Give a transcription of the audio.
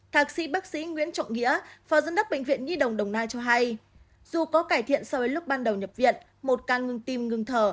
thạc sĩ bác sĩ nguyễn trọng nghĩa phó giám đốc bệnh viện nhi đồng đồng nai cho hay dù có cải thiện so với lúc ban đầu nhập viện một ca ngừng tim ngừng thở